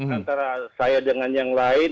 antara saya dengan yang lain